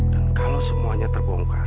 dan kalau semuanya terbongkar